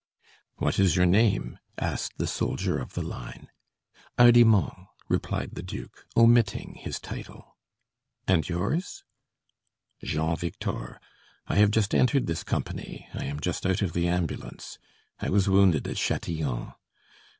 "What is your name?" asked the soldier of the line. "Hardimont," replied the duke, omitting his title. "And yours?" "Jean Victor I have just entered this company I am just out of the ambulance I was wounded at Châtillon oh!